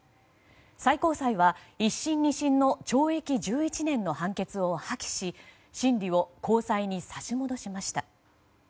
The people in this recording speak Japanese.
最高裁は、１審と２審の懲役１１年の判決を破棄し審理を高裁に差し戻しました。